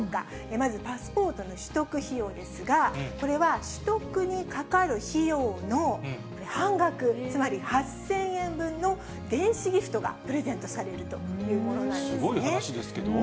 まず、パスポートの取得費用ですが、これは取得にかかる費用の半額、つまり８０００円分の電子ギフトがプレゼントされるということなすごい話ですけど。